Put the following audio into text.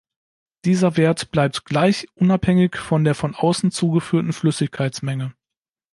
Dieser Wert bleibt gleich, unabhängig von der von außen zugeführten Flüssigkeitsmenge.